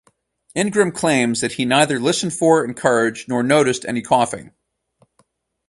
Ingram claims that he neither "listened for, encouraged, nor noticed any coughing".